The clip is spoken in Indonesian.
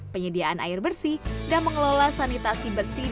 penyediaan air bersih dan mengelola sanitasi bersih